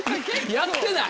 やってない！